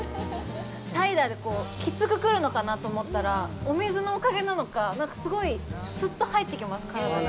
サイダーって、きつくくるのかなと思ったら、お水のおかげなのか、なんかすごい、すっと入ってきます、体に。